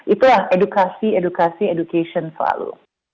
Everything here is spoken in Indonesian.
itulah edukasi edukasi education selalu